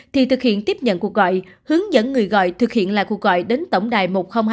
thì thực hiện tiếp nhận cuộc gọi hướng dẫn người gọi thực hiện lại cuộc gọi đến tổng đài một nghìn hai mươi hai